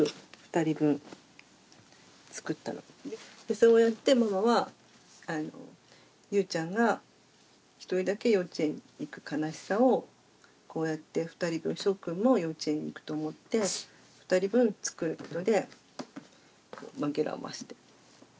そうやってママはゆうちゃんが１人だけ幼稚園に行く悲しさをこうやって２人分しょうくんも幼稚園に行くと思って２人分作ることで紛らわして。